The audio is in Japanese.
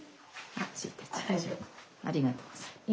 ありがとうございます。